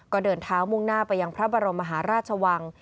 ก็เดินเท้ามุ่งหน้าไปยังพระบรมมหาราชวัง